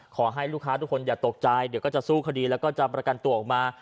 ขอให้ลูกค้าทุกคนอย่าตกใจเดี๋ยวก็จะสู้คดีแล้วก็จะประกันตัวออกมา